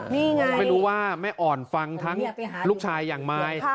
นี่ไงไม่รู้ว่าแม่อ่อนฟังทั้งลูกชายอย่างมาย